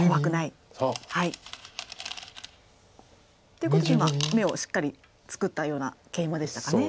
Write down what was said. ってことで今眼をしっかり作ったようなケイマでしたかね。